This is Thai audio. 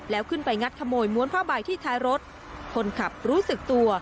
แล้วขึ้นไปงัดขโมยม้วนผ้าใบที่ท้ายรถคนขับรู้สึกตัว